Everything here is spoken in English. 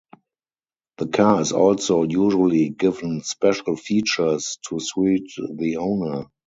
The car is also usually given special features to suit the owner.